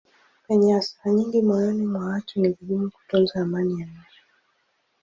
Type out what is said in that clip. Penye hasira nyingi moyoni mwa watu ni vigumu kutunza amani ya nje.